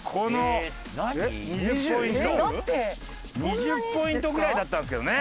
２０ポイントぐらいだったんですけどね。